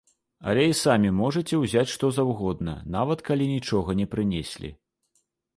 Але і самі можаце ўзяць што заўгодна, нават калі нічога не прынеслі.